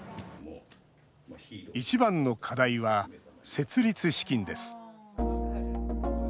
一番の課題は設立資金です。